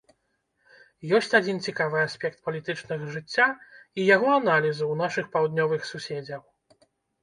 Ёсць адзін цікавы аспект палітычнага жыцця і яго аналізу ў нашых паўднёвых суседзяў.